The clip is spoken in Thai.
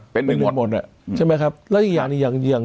เป็นหนึ่งมวลอ่ะใช่ไหมครับแล้วอีกอย่างหนึ่งอย่างอย่าง